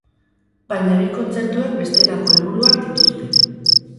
Baina bi kontzertuek bestelako helburuak dituzte.